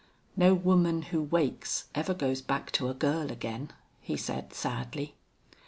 "No woman who wakes ever goes back to a girl again," he said, sadly.